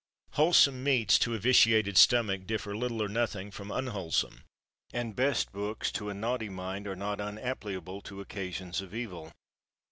Wholesome meats to a vitiated stomach differ little or nothing from unwholesome ; and best books to a naughty mind are not unappliable to occasions of evil.